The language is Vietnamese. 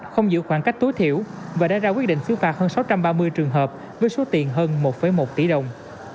không giữ khoảng cách tối thiểu và đã ra quyết định xứ phạt hơn sáu trăm ba mươi trường hợp với số tiền hơn một một tỷ đồng